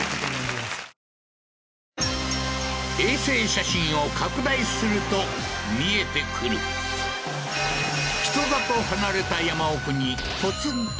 衛星写真を拡大すると見えてくる人里離れた